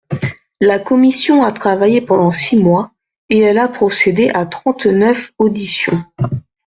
La commission a travaillé pendant six mois, et elle a procédé à trente-neuf auditions.